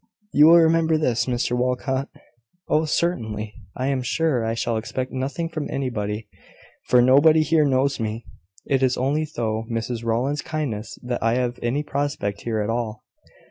You will remember this, Mr Walcot." "Oh, certainly. I am sure I shall expect nothing from anybody; for nobody here knows me. It is only through Mrs Rowland's kindness that I have any prospect here at all."